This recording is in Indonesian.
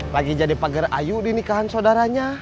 lagi jadi pagar ayu di nikahan saudaranya